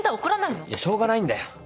いやしょうがないんだよ。